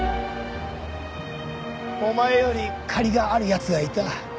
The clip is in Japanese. お前より借りがある奴がいた。